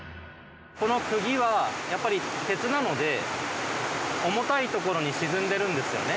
この釘はやっぱり鉄なので重たい所に沈んでるんですよね重たいので。